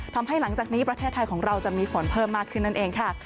หลังจากนี้ประเทศไทยของเราจะมีฝนเพิ่มมากขึ้นนั่นเองค่ะ